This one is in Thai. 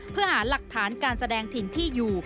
เพื่อหาหลักฐานการแสดงถิ่นที่อยู่